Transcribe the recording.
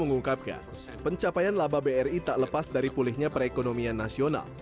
mengungkapkan pencapaian laba bri tak lepas dari pulihnya perekonomian nasional